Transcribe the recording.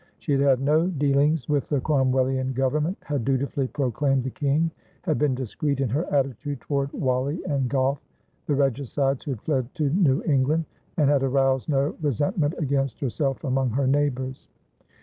She had had no dealings with the Cromwellian Government, had dutifully proclaimed the King, had been discreet in her attitude toward Whalley and Goffe, the regicides who had fled to New England, and had aroused no resentment against herself among her neighbors.